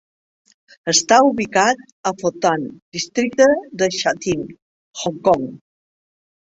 Està ubicat a Fo Tan, districte de Sha Tin, Hong Kong.